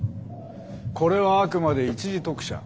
これはあくまで一時特赦。